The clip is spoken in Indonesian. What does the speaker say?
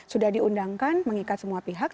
sudah diundangkan mengikat semua pihak